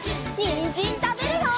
にんじんたべるよ！